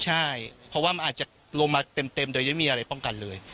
ใช่เพราะว่ามันอาจจะลงมาเต็มโดยไม่มีอะไรป้องกันเลย